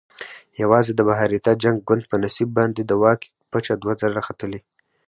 یوازې د بهاریته جنت ګوند په نصیب باندې د واک پچه دوه ځله ختلې.